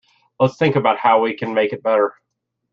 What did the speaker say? Let's think about how we can make it better.